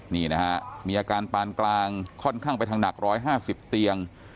นี่นะฮะมีอาการปานกลางค่อนข้างไปทางหนัก๑๕๐เตียง